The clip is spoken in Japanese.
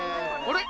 あれ？